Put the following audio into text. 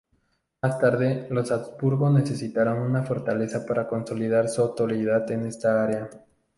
Más tarde los Habsburgo necesitaron una fortaleza para consolidar su autoridad en esta área.